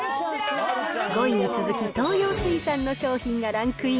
５位に続き東洋水産の商品がランクイン。